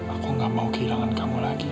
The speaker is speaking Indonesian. aku gak mau kehilangan kamu lagi